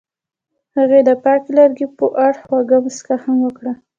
هغې د پاک لرګی په اړه خوږه موسکا هم وکړه.